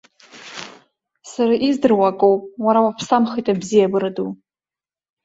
Сара издыруа акоуп, уара уаԥсамхеит абзиабара ду.